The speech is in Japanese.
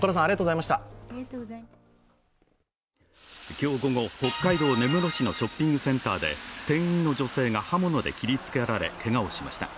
今日午後、北海道根室市のショッピングセンターで店員の女性が刃物で切りつけられ、けがをしました。